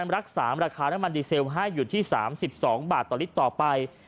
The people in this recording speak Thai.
รักษาราคาน้ำมันดีเซลให้อยู่ที่๓๒บาทต่อลิตรต่อไป